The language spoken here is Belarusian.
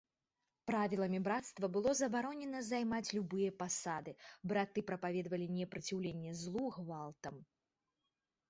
Правіламі брацтва было забаронена займаць любыя пасады, браты прапаведавалі непраціўленне злу гвалтам.